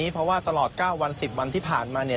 เพราะว่าตลอด๙วัน๑๐วันที่ผ่านมาเนี่ย